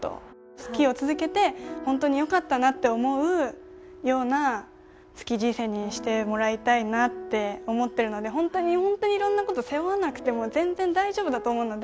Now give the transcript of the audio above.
スキーを続けて本当によかったなと思うようなスキー人生にしてもらいたいなと思っているので、本当に本当にいろいろなことを背負わなくても大丈夫だと思うので。